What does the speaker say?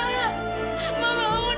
mama bangun ma